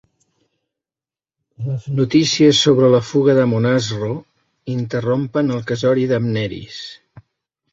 Les notícies sobre la fuga d'Amonasro interrompen el casori d'Amneris.